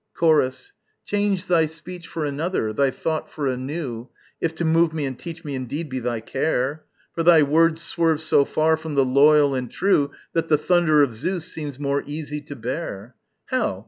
Chorus. Change thy speech for another, thy thought for a new, If to move me and teach me indeed be thy care! For thy words swerve so far from the loyal and true That the thunder of Zeus seems more easy to bear. How!